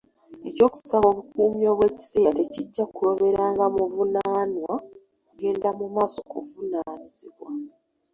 Eky'okusaba obukuumi obw'ekiseera tekijja kuloberanga muvunaanwa kugenda mu maaso kuvunaanibwa.